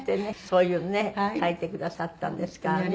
そういうね描いてくださったんですからね。